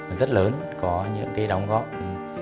có những cái đóng góp quan trọng trong các phong tàu thơ của việt nam